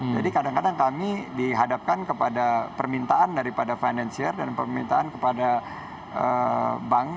jadi kadang kadang kami dihadapkan kepada permintaan daripada financier dan permintaan kepada bank